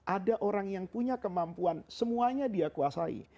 ada orang yang punya kemampuan semuanya dia kuasai